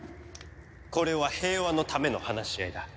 これは平和のための話し合いだ。